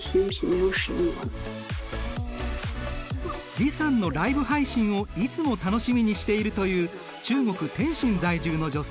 李さんのライブ配信をいつも楽しみにしているという中国・天津在住の女性。